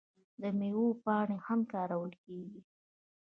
د میوو پاڼې هم کارول کیږي.